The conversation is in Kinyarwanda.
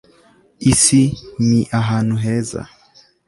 isi ni ahantu heza